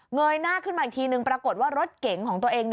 ยหน้าขึ้นมาอีกทีนึงปรากฏว่ารถเก๋งของตัวเอง